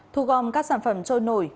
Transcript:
thu gom các sản phẩm trôi nổi